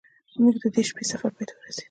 زموږ د دې شپې سفر پای ته ورسید.